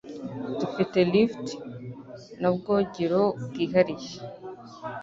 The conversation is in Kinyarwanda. Dufite lift na bwogero bwihariye.